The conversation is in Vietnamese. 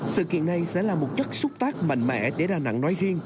sự kiện này sẽ là một chất xúc tác mạnh mẽ để đà nẵng nói riêng